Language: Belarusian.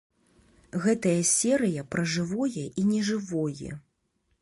Гэтая серыя пра жывое і нежывое.